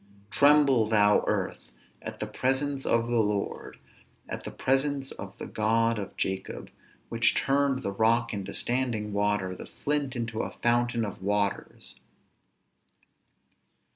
_Tremble, thou earth! at the presence of the Lord; at the presence of the God of Jacob; which turned the rock into standing water, the flint into a fountain of waters!